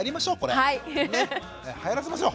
はやらせましょう。